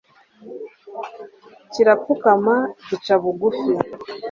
kirapfukama, gica bugufi